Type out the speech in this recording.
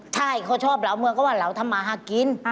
ใช่เขาชอบเหล่าเมืองก็ว่าเราทำมาหากิน